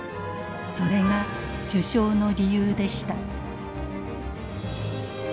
それが授賞の理由でした。